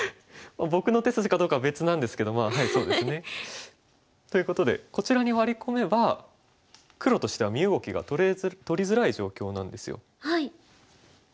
僕の手筋かどうかは別なんですけどまあはいそうですね。ということでこちらにワリ込めば黒としては身動きがとりづらい状況なんですよ。